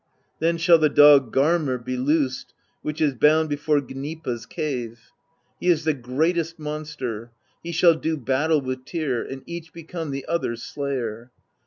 Then shall the dog Garmr be loosed, which is bound before Gnipa's Cave: he is the greatest monster; he shall do battle with Tyr, and each become the other's slayer.